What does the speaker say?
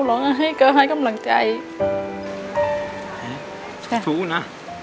แม่ก็ชักสู้นะ